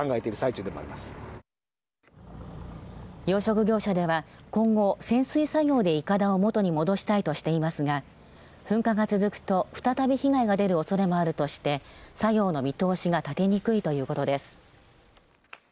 養殖業者では今後、潜水作業でいかだを元に戻したいとしていますが噴火が続くと再び被害が出るおそれもあるとして作業の見通しが立てにくいということです。